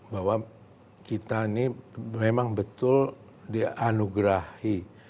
bahwa kita ini memang betul dianugerahi